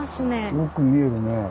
よく見えるね。